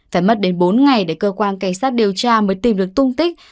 phải mất đến bốn ngày để cơ quan cảnh sát điều tra mới tìm được tung tích